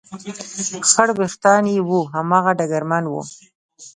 خړ وېښتان یې و، هماغه ډګرمن و.